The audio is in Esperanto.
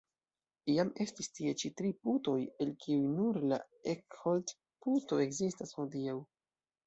Iam estis tie ĉi tri putoj, el kiuj nur la Eckholdt-puto ekzistas hodiaŭ.